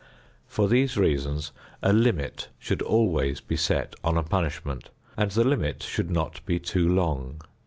For these reasons, a limit should always be set on a punishment and the limit should not be too long.